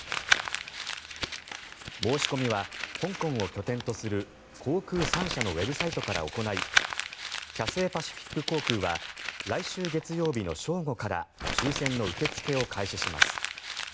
申し込みは香港を拠点とする航空３社のウェブサイトから行いキャセイパシフィック航空は来週月曜日の正午から抽選の受け付けを開始します。